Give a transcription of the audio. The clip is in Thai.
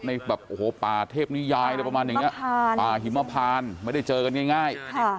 ในแบบโอ้โหปลาเทพนิยายปลาหิมพานไม่ได้เจอกันง่าย